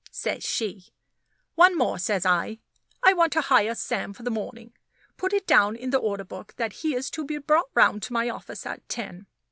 says she. "One more," says I. "I want to hire Sam for the morning. Put it down in the order book that he's to be brought round to my office at ten."